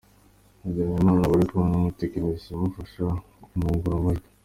Hagenimana aba ari kumwe n'umutekinisiye umufasha kuyungurura amajwi .